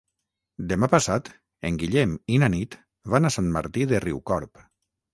Demà passat en Guillem i na Nit van a Sant Martí de Riucorb.